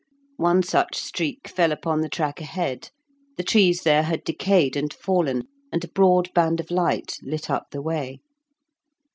One such streak fell upon the track ahead; the trees there had decayed and fallen, and a broad band of light lit up the way.